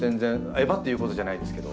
えばって言うことじゃないですけど。